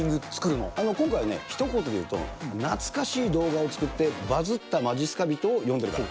今回ね、ひと言で言うと、懐かしい動画を作って、バズったまじっすか人を呼んでるから。